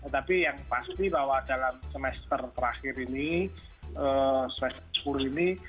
tapi yang pasti bahwa dalam semester terakhir ini semester sepuluh ini